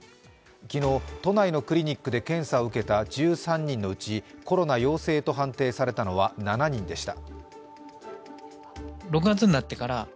昨日都内のクリニックで診断を受けた１３人のうちコロナ陽性と判定されたのは７人でした。